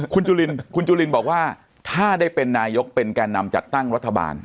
คุณจุลินคุณจุลินบอกว่าถ้าได้เป็นนายกเป็นแก่นำจัดตั้งรัฐบาล